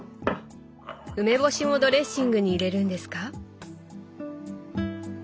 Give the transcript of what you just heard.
梅干しもドレッシングに入れるんですか？